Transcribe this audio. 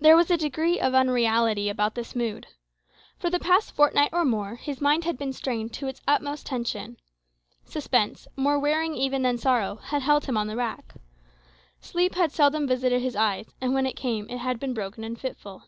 There was a degree of unreality about this mood. For the past fortnight, or more, his mind had been strained to its utmost tension. Suspense, more wearing even than sorrow, had held him on the rack. Sleep had seldom visited his eyes; and when it came, it had been broken and fitful.